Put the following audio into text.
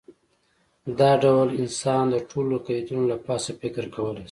دا ډول انسان د ټولو قیدونو له پاسه فکر کولی شي.